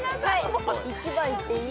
１番いっていい？